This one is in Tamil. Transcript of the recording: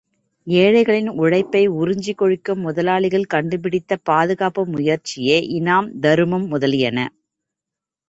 ஏழைகளின் உழைப்பை உறிஞ்சிக் கொழுக்கும் முதலாளிகள் கண்டுபிடித்த பாதுகாப்பு முயற்சியே இனாம் தருமம் முதலியன.